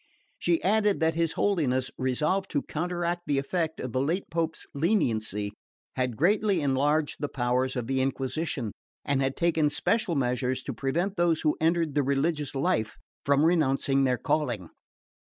She added that his Holiness, resolved to counteract the effects of the late Pope's leniency, had greatly enlarged the powers of the Inquisition, and had taken special measures to prevent those who entered the religious life from renouncing their calling.